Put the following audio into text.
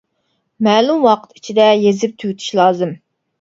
مەلۇم ۋاقىت ئىچىدە يېزىپ تۈگىتىش لازىم.